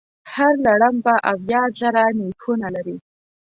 هر لړم به اویا زره نېښونه لري.